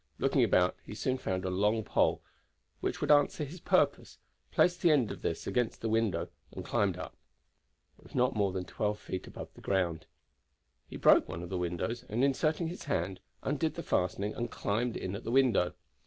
Looking about he soon found a long pole which would answer his purpose, placed the end of this against the window, and climbed up. It was not more than twelve feet above the ground. He broke one of the windows, and inserting his hand undid the fastening and climbed in at the window.